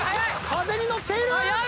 風に乗っている！